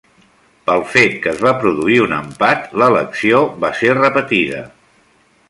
Pel fet que es va produir un empat, l'elecció va ser repetida.